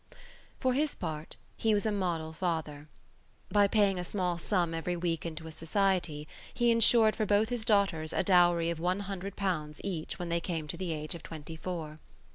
For his part, he was a model father. By paying a small sum every week into a society, he ensured for both his daughters a dowry of one hundred pounds each when they came to the age of twenty four.